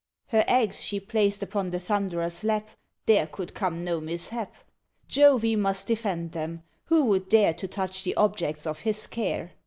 Her eggs she placed upon the Thunderer's lap There could come no mishap; Jove must defend them: who would dare To touch the objects of his care?